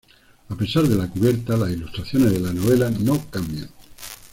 A pesar de la cubierta las ilustraciones de las novelas no cambian.